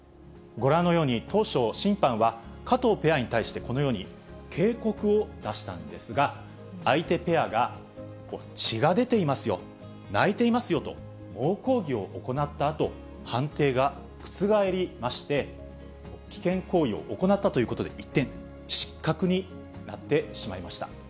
ご覧のように当初、審判は加藤ペアに対してこのように、警告を出したんですが、相手ペアが、血が出ていますよ、泣いていますよと、猛抗議を行ったあと、判定が覆りまして、危険行為を行ったということで、一転、失格になってしまいました。